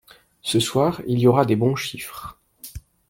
Ce soir, il y aura des bons chiffres